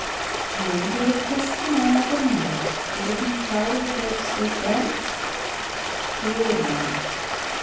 And when he had kissed them all good night, do you think Charlie would go to sleep then? He would not.